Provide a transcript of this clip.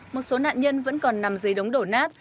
một số nạn nhân vẫn còn nằm dưới đống đổ nát